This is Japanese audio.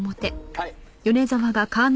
はい。